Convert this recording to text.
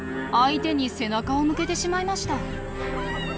相手に背中を向けてしまいました。